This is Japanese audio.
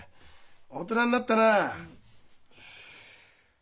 大人になったなあ。